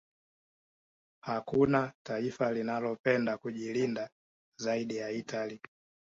Hakuna taifa linalopenda kujilinda zaidi ya Italia